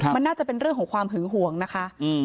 มันน่าจะเป็นเรื่องของความหึงห่วงนะคะ